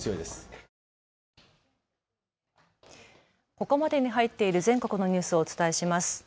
ここまでに入っている全国のニュースをお伝えします。